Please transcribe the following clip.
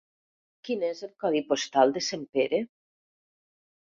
Quin és el codi postal de Sempere?